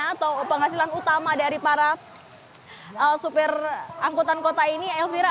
atau penghasilan utama dari para supir angkutan kota ini elvira